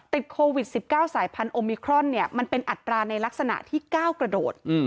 ติดโควิด๑๙สายพันธุ์โอมิครอนมันเป็นอัตราในลักษณะที่๙กระโดด